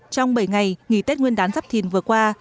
trong bảy ngày nghỉ tết nguyên đán giáp thìn vừa qua